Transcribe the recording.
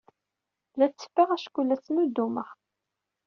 La ttfaɣ acku la ttnuddumeɣ.